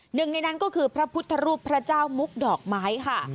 หนึ่งในนั้นก็คือพระพุทธรูปพระเจ้ามุกดอกไม้ค่ะ